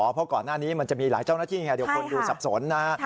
เพราะก่อนหน้านี้มันจะมีหลายเจ้าหน้าที่ไงเดี๋ยวคนดูสับสนนะฮะ